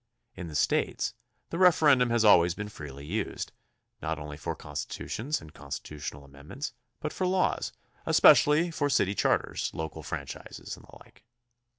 In the States the referendum has always been freely used, not only for constitutions and con stitutional amendments but for laws, especially for city charters, local franchises, and the Uke.